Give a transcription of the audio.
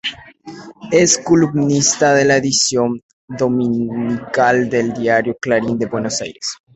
Es columnista de la edición dominical del diario Clarín de Buenos Aires.